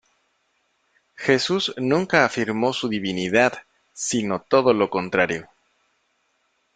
Jesús nunca afirmó su divinidad, sino todo lo contrario.